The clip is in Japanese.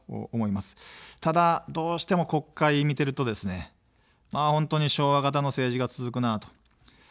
ただ、どうしても国会見てるとですね、本当に昭和型の政治が続くなと。